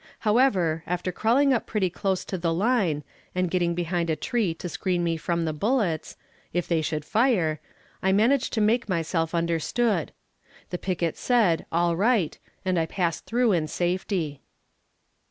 However, after crawling up pretty close to the line, and getting behind a tree to screen me from the bullets, if they should fire, I managed to make myself understood. The picket said: "All right," and I passed through in safety.